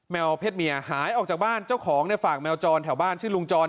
เพศเมียหายออกจากบ้านเจ้าของในฝั่งแมวจรแถวบ้านชื่อลุงจร